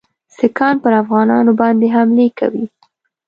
سیکهان پر افغانانو باندي حملې کوي.